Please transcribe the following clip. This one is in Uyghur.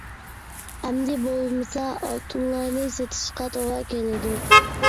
ئەمدى بولمىسا، ئالتۇنلارنى سېتىشقا توغرا كېلىدۇ.